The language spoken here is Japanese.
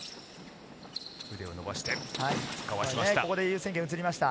腕を伸ばしてかわしました。